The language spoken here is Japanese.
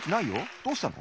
どうしたの？